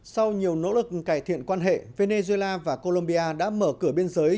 sau nhiều nỗ lực cải thiện quan hệ venezuela và colombia đã mở cửa biên giới